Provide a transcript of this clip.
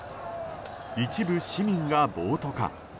一部市民が暴徒化。